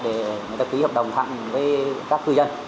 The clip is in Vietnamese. để người ta ký hợp đồng thẳng với các cư dân